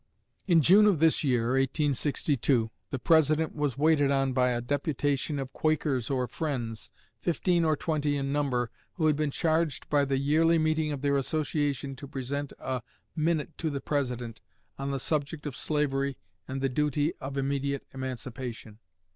In June of this year (1862) the President was waited on by a deputation of Quakers, or Friends, fifteen or twenty in number, who had been charged by the Yearly Meeting of their association to present a "minute" to the President on the subject of slavery and the duty of immediate emancipation.